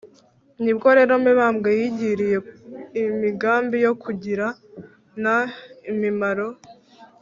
nibwo rero mibambwe yigiriye imigambi yo kugirana imimaro